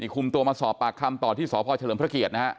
คุมตัวมาสอบปากคำต่อที่สพเฉลิมพระเกียรตินะฮะ